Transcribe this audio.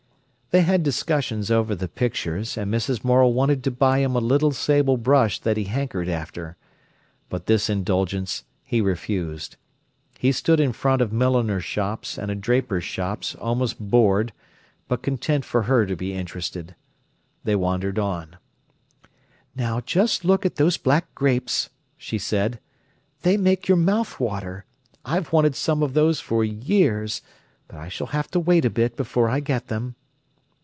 They had discussions over the pictures, and Mrs. Morel wanted to buy him a little sable brush that he hankered after. But this indulgence he refused. He stood in front of milliners' shops and drapers' shops almost bored, but content for her to be interested. They wandered on. "Now, just look at those black grapes!" she said. "They make your mouth water. I've wanted some of those for years, but I s'll have to wait a bit before I get them."